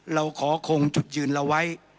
เราขอคงจุดยืนเราไว้